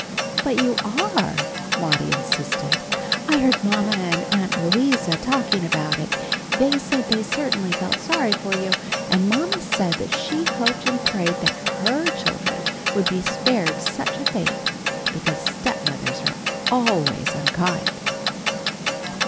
"But you are!" Maudie insisted. "I heard mama and Aunt Louisa talking about it. They said they certainly felt sorry for you, and mama said that she hoped and prayed that her children would be spared such a fate, because stepmothers are always unkind."